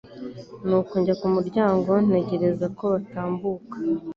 nuko njya ku muryango ntegereza kobatambuka